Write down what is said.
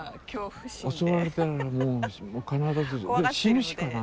襲われたらもう必ず死ぬしかない。